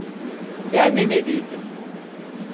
Gelmemeliydim.